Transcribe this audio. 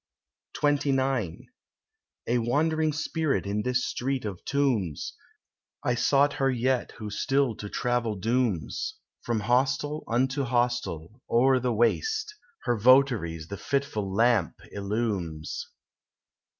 XXIX A wandering spirit in this street of tombs, I sought her yet who still to travel dooms, From hostel unto hostel o'er the waste, Her votaries the fitful lamp illumes.